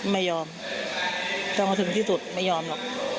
ไม่ยอมต้องเอาถึงที่สุดไม่ยอมหรอก